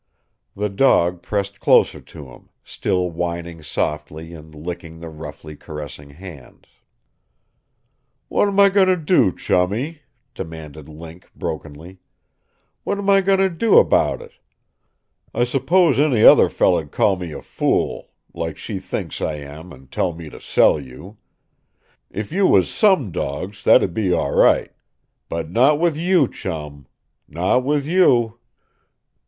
The dog pressed closer to him, still whining softly and licking the roughly caressing hands. "What'm I going to do, Chummie?" demanded Link brokenly. "What'm I going to do about it? I s'pose any other feller'd call me a fool like she thinks I am and tell me to sell you. If you was some dogs, that'd be all right. But not with YOU, Chum. Not with you.